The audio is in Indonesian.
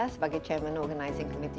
sebagai chairman organizing committee